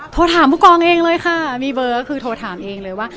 โทรถามผู้กองเองเลยค่ะมีเบอร์ก็คือโทรถามเองเลยว่า